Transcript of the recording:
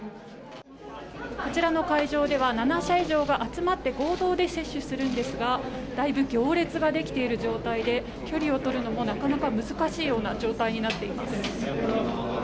こちらの会場では７社以上が集まって合同で接種するんですがだいぶ行列ができている状態で距離をとるのもなかなか難しいような状態になっています。